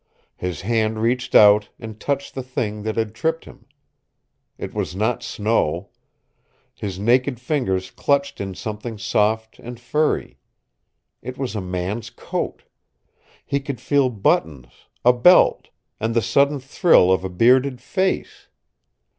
His hand reached out and touched the thing that had tripped him. It was not snow. His naked fingers clutched in something soft and furry. It was a man's coat. He could feel buttons, a belt, and the sudden thrill of a bearded face.